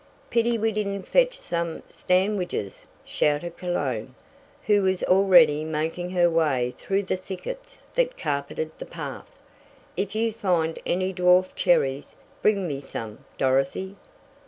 "Pity we didn't fetch some 'standwiches,'" shouted Cologne, who was already making her way through the thickets that carpeted the path. "If you find any dwarf cherries bring me some, Dorothy."